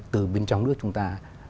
từ bên trong nước chúng ta